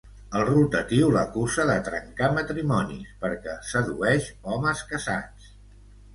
El rotatiu l'acusa de trencar matrimonis perquè sedueix homes casats.